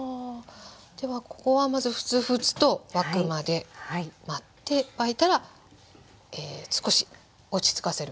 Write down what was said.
ではここはまずフツフツと沸くまで待って沸いたら少し落ち着かせる。